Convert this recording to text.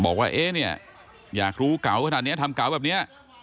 บอกว่าเอ๊ะเนี่ยอยากรู้เก๋าขนาดนี้ทำเก๋าแบบนี้